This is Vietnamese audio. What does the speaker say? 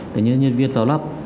thì nhân viên vào lắp